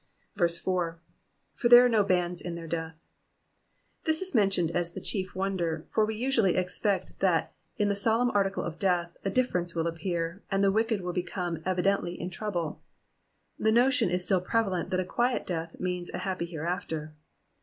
4. ^^For there are Jio bands in their death,'' ^ This is mentioned as the chief wonder, for we usually expect that in the solemn article of death, a difference will appear, and the wicked will become evidently in trouble. The notion is still prevalent that a quiet death means a happy hereafter.